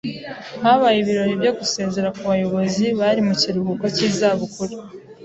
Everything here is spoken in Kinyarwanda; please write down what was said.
Habaye ibirori byo gusezera ku bayobozi bari mu kiruhuko cy'izabukuru.